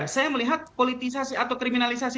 saya melihat politisasi atau kriminalisasi